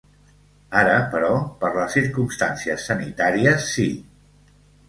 Ara, però, per les circumstàncies sanitàries sí.